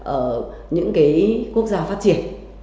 ở những quốc gia phát triển